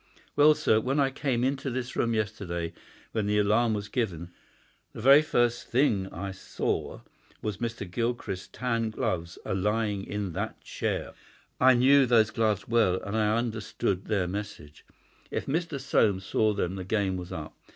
Well, sir, when I came into this room yesterday when the alarm was given, the very first thing I saw was Mr. Gilchrist's tan gloves a lying in that chair. I knew those gloves well, and I understood their message. If Mr. Soames saw them the game was up.